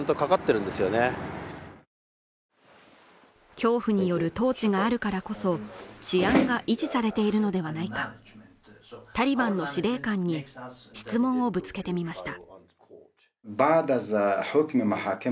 恐怖による統治があるからこそ治安が維持されているのではないかタリバンの司令官に質問をぶつけてみました